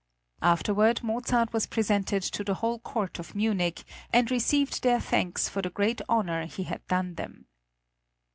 Afterward Mozart was presented to the whole court of Munich, and received their thanks for the great honor he had done them.